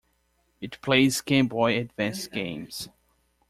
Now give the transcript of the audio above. It plays Game Boy Advance games.